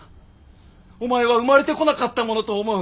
「お前は生まれてこなかったものと思う」